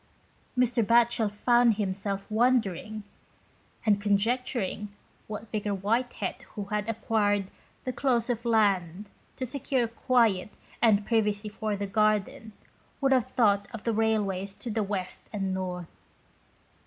Mr. Batchel found himself wondering and conjecturing what Vicar White head, who had acquired the close of land to secure quiet and privacy for garden, would have thought of the railways to the west and north.